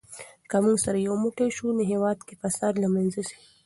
که موږ سره یو موټی سو نو هېواد کې فساد له منځه ځي.